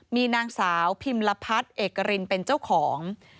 มีนางสาวพิมลพัฒน์เอกรินเป็นเจ้าของ